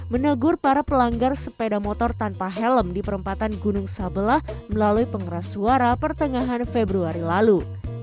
menegur para pelanggar sepeda motor tanpa helm di perempatan gunung sabelah melalui pengeras suara pertengahan februari lalu